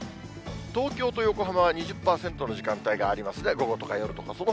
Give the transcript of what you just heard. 東京と横浜は２０％の時間帯がありますね、午後とか、夜とか。